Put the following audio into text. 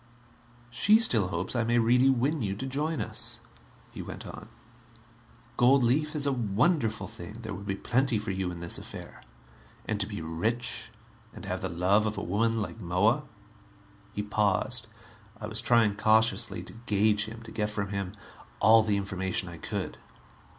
"She still hopes I may really win you to join us," he went on. "Gold leaf is a wonderful thing; there would be plenty for you in this affair. And to be rich, and have the love of a woman like Moa...." He paused. I was trying cautiously to gauge him, to get from him all the information I could.